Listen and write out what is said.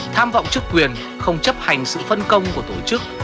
tham vọng chức quyền không chấp hành sự phân công của tổ chức